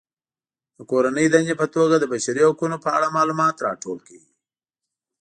د کورنۍ دندې په توګه د بشري حقونو په اړه معلومات راټول کړئ.